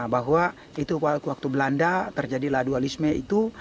bahwa itu waktu belanda terjadi ladua lisme itu